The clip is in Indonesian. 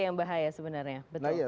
yang bahaya sebenarnya nah iya